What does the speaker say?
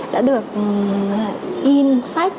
đã được in sách